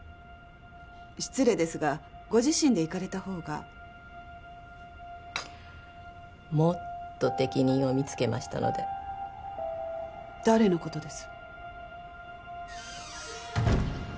失礼ですがご自身で行かれた方がもっと適任を見つけましたので誰のことです？